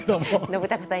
信朗さん